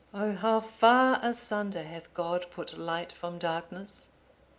(850) Oh how far asunder hath God put light from darkness!